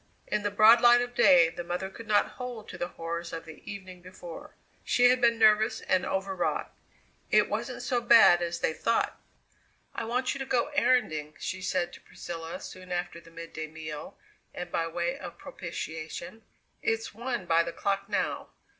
In the broad light of day the mother could not hold to the horrors of the evening before. She had been nervous and overwrought; it wasn't so bad as they had thought! "I want you to go erranding," she said to Priscilla soon after the midday meal and by way of propitiation. "It's one by the clock now.